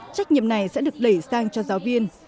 trách nhiệm này sẽ được đẩy sang cho giáo viên